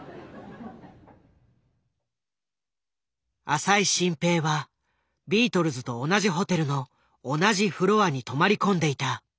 浅井愼平はビートルズと同じホテルの同じフロアに泊まり込んでいた。